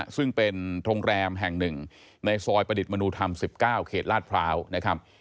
ซึ่งเป็นโรงแรมแห่งหนึ่งในซอยประดิษฐ์มนุธรรม๑๙เขตลาดพร้าวนะครับ